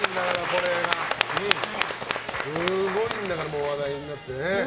すごいんだから、話題になって。